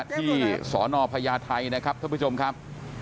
ที่สภไทยนะครับคุณผู้ชมครับ